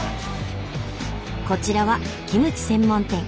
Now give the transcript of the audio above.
こちらはキムチ専門店。